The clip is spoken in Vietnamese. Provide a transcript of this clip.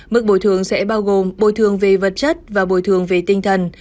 mức bồi thường sẽ bao gồm bồi thường về vật chất và bồi thường về tinh thần